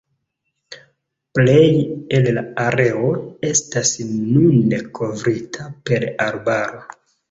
Plej el la areo estas nune kovrita per arbaro.